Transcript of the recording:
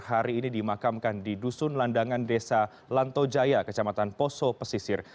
hari ini dimakamkan di dusun landangan desa lantojaya kecamatan poso pesisir